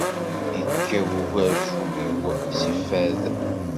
Yekkaw ugarjum-iw seg fad.